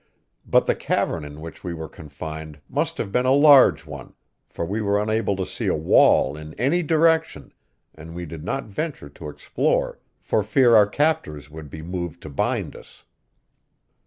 But the cavern in which we were confined must have been a large one, for we were unable to see a wall in any direction, and we did not venture to explore for fear our captors would be moved to bind us.